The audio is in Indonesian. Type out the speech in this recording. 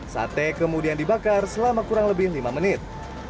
sate kemudian dibakar selama kurang lebih lima menit